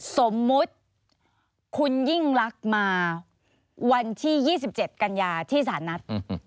สมมติคุณยิ่งรักมาวันที่๒๗กัญญาที่สถานัท